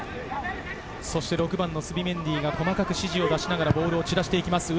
６番・スビメンディが細かく指示を出しながらボールを散らしていきます。